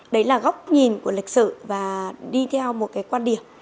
đấy là góc nhìn của lịch sử và đi theo một cái quan điểm